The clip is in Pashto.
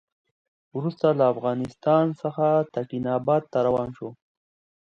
وروسته له افغانستان څخه تکیناباد ته روان شو.